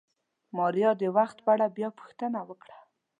ماريا د وخت په اړه بيا پوښتنه وکړه.